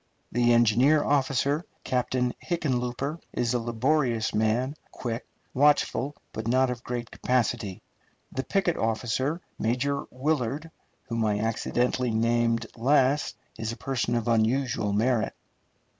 The engineer officer, Captain Hickenlooper, is a laborious man, quick, watchful, but not of great capacity. The picket officer, Major Willard, whom I accidentally name last, is a person of unusual merit.